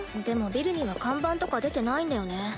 でもビルには看板とか出てないんだよね。